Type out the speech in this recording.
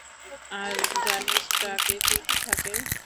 আর জানিস ট্রাকে কী কী থাকে?